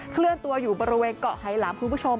เคลื่อนตัวอยู่บริเวณเกาะไฮหลามคุณผู้ชม